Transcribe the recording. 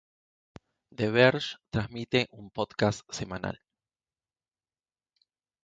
The Verge transmite un podcast semanal.